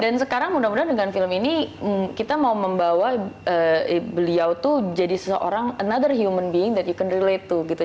dan sekarang mudah mudahan dengan film ini kita mau membawa beliau tuh jadi seseorang another human being that you can relate to